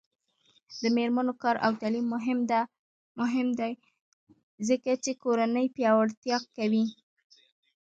د میرمنو کار او تعلیم مهم دی ځکه چې کورنۍ پیاوړتیا کوي.